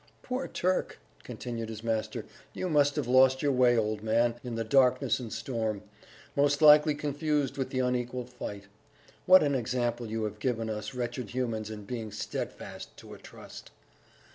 Poor Turk!" continued his master, "you must have lost your way, old man, in the darkness and storm; most likely confused after the unequal fight. What an example you have given us wretched humans in being steadfast to a trust!"